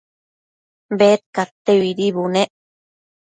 Bedcadteuidi bunec